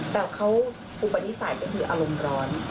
แต่เขาอุปนิสัยก็คืออารมณ์ร้อน